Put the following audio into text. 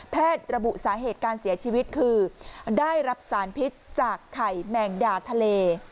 ระบุสาเหตุการเสียชีวิตคือได้รับสารพิษจากไข่แมงดาทะเล